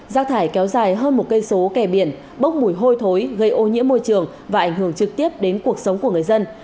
rác thải kéo dài hơn một cây số kè biển bốc mùi hôi thối gây ô nhiễm môi trường và ảnh hưởng trực tiếp đến cuộc sống của người dân